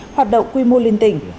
hoạt động quy mô linh tỉnh